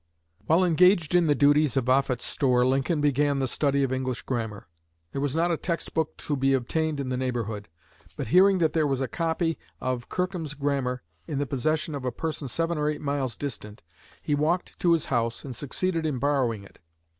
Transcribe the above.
While engaged in the duties of Offutt's store Lincoln began the study of English grammar. There was not a text book to be obtained in the neighborhood; but hearing that there was a copy of Kirkham's Grammar in the possession of a person seven or eight miles distant he walked to his house and succeeded in borrowing it.